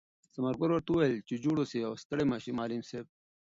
ثمر ګل ورته وویل چې جوړ اوسې او ستړی مه شې معلم صاحب.